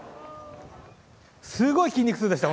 すごい筋肉痛でした、